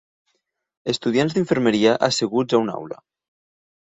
Estudiants d'infermeria asseguts a una aula.